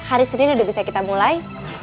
hari sering udah bisa kita mulai